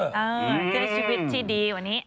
เออเพื่อชีวิตที่ดีวันนี้